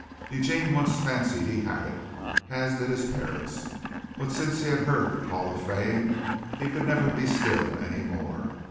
Eugene once fancied he had it, as did his parents, but since he had heard the call of fame he could never be still any more.